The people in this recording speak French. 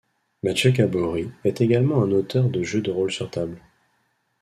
Mathieu Gaborit est également un auteur de jeux de rôle sur table.